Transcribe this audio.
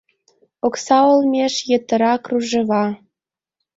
Окса олмеш йытыра кружева: